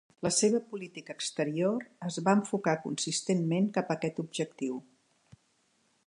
La seva política exterior es va enfocar consistentment cap a aquest objectiu.